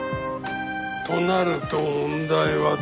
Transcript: となると問題はだ。